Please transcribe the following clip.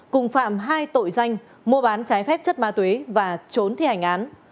cùng phạm hai tội danh mua bán trái phép chất ma túy và trốn thi hành án